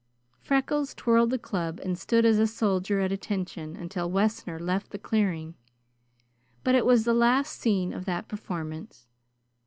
Freckles twirled the club and stood as a soldier at attention until Wessner left the clearing, but it was the last scene of that performance.